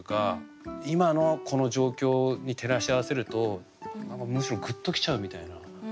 今のこの状況に照らし合わせるとむしろグッと来ちゃうみたいな。